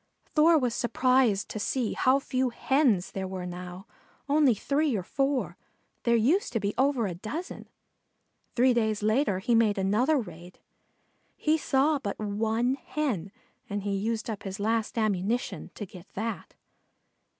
Thor was surprised to see how few Hens there were now, only three or four. There used to be over a dozen. Three days later he made another raid. He saw but one Hen and he used up his last ammunition to get that.